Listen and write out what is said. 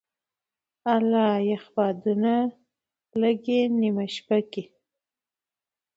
اله یخ بادونه لګې نېمه شپه کي